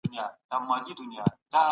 حق پالنه زموږ د ایمان غوښتنه ده.